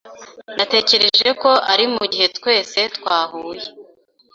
Natekereje ko ari mugihe twese twahuye.